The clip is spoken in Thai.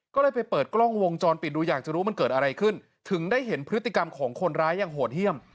ก็เลยไปเปิดกล้องวงจรปิดดูอยากจะรู้มันเกิดอะไรขึ้นถึงได้เห็นพฤติกรรมของคนร้ายอย่างโหดเยี่ยม